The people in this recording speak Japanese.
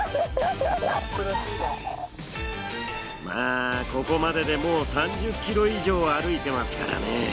まあここまででもう３０ｋｍ以上は歩いてますからね。